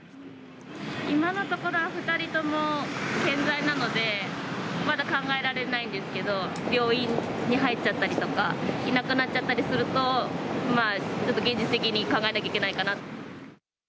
今のところは２人とも健在なので、まだ考えられないんですけど、病院に入っちゃったりとか、いなくなっちゃったりすると、まあちょっと現実的に考えなきゃいけないかな。